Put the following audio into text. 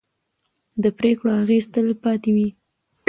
د پرېکړو اغېز تل پاتې وي